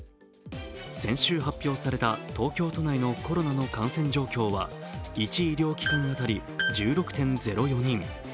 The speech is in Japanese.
先週発表された東京都内のコロナの感染状況は１医療機関当たり１６．０４人。